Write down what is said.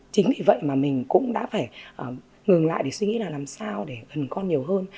chính vì vậy mà mình cũng đã phải ngừng lại để suy nghĩ là làm sao để gần con nhiều hơn